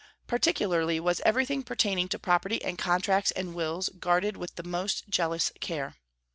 Particularly was everything pertaining to property and contracts and wills guarded with the most jealous care.